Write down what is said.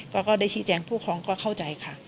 ก็ได้ชี้แจงผู้ครองก็เข้าใจค่ะ